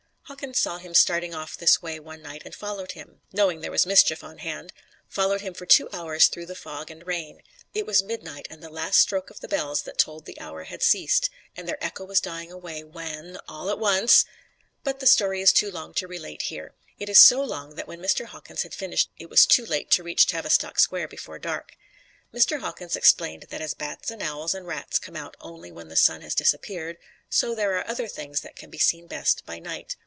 Hawkins saw him starting off this way one night and followed him knowing there was mischief on hand followed him for two hours through the fog and rain. It was midnight and the last stroke of the bells that tolled the hour had ceased, and their echo was dying away, when all at once But the story is too long to relate here. It is so long that when Mr. Hawkins had finished it was too late to reach Tavistock Square before dark. Mr. Hawkins explained that as bats and owls and rats come out only when the sun has disappeared, so there are other things that can be seen best by night.